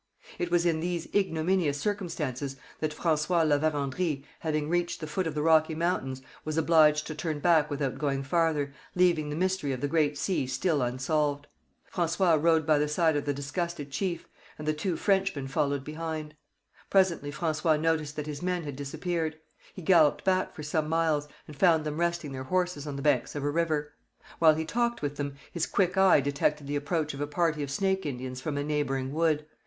It was in these ignominious circumstances that François La Vérendrye, having reached the foot of the Rocky Mountains, was obliged to turn back without going farther, leaving the mystery of the Great Sea still unsolved. François rode by the side of the disgusted chief and the two Frenchmen followed behind. Presently François noticed that his men had disappeared. He galloped back for some miles, and found them resting their horses on the banks of a river. While he talked with them, his quick eye detected the approach of a party of Snake Indians from a neighbouring wood.